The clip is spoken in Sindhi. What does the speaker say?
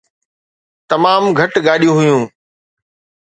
تمام گهٽ گاڏيون هيون.